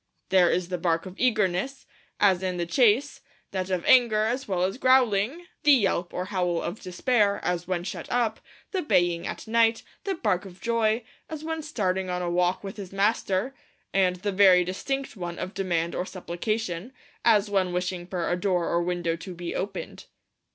'There is the bark of eagerness, as in the chase; that of anger, as well as growling; the yelp or howl of despair, as when shut up; the baying at night; the bark of joy, as when starting on a walk with his master; and the very distinct one of demand or supplication, as when wishing for a door or window to be opened.'